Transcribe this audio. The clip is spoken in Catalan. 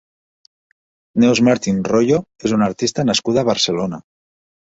Neus Martín Royo és una artista nascuda a Barcelona.